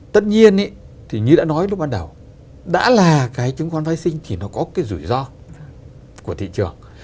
tất nhiên thì như đã nói lúc ban đầu đã là cái chứng khoán vaccine thì nó có cái rủi ro của thị trường